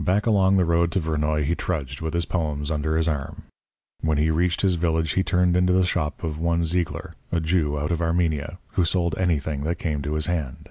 Back along the road to Vernoy he trudged with his poems under his arm. When he reached his village he turned into the shop of one Zeigler, a Jew out of Armenia, who sold anything that came to his hand.